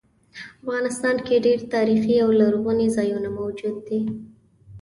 افغانستان کې ډیر تاریخي او لرغوني ځایونه موجود دي